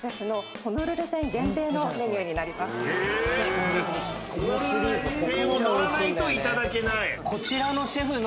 ホノルル線を乗らないといただけない。